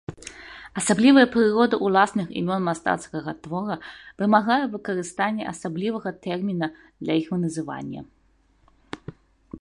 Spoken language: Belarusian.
Асаблівая прырода ўласных імён мастацкага твора вымагае выкарыстання асаблівага тэрміна для іх называння.